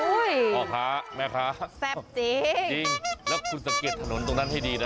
อุ้ยอ๋อค้าแม่ค้าแซ่บจริงดิงแล้วคุณสะเก็ดถนนตรงนั้นให้ดีนะ